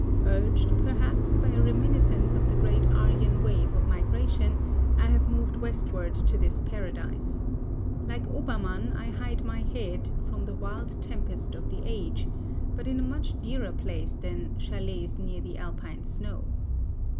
Urged, perhaps, by a reminiscence of the Great Aryan wave of migration, I have moved westward to this Paradise. Like Obermann, I hide my head "from the wild tempest of the age," but in a much dearer place than "chalets near the Alpine snow."